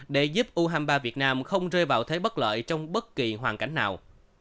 để giúp u hai mươi ba việt nam không rơi vào thế bất lợi trong bất kỳ hoàn cảnh nào